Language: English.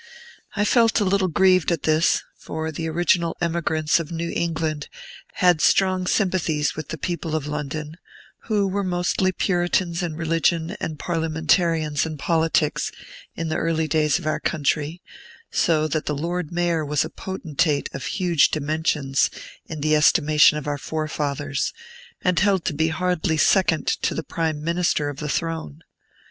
I felt a little grieved at this; for the original emigrants of New England had strong sympathies with the people of London, who were mostly Puritans in religion and Parliamentarians in politics, in the early days of our country; so that the Lord Mayor was a potentate of huge dimensions in the estimation of our forefathers, and held to be hardly second to the prime minister of the throne.